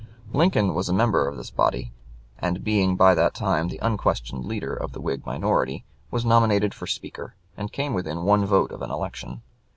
Lincoln was a member of this body, and, being by that time the unquestioned leader of the Whig minority, was nominated for Speaker, and came within one vote of an election.